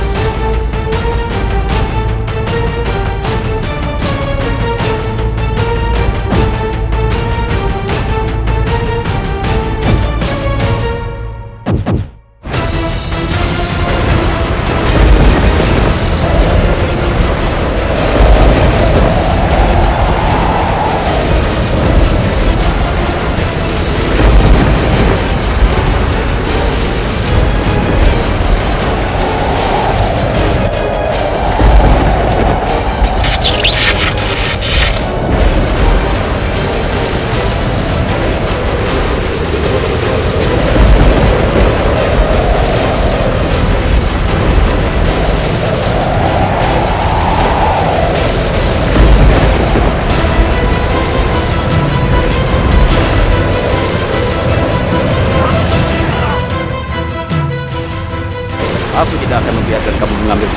terima kasih kisah nak